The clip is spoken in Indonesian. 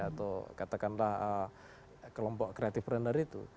atau katakanlah kelompok creative pruner itu